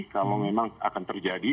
kalau memang akan terjadi